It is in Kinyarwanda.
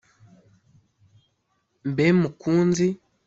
mbe mukunzi!